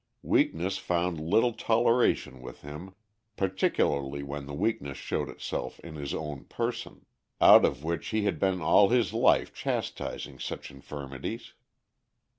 Weakness found little toleration with him, particularly when the weakness showed itself in his own person, out of which he had been all his life chastising such infirmities.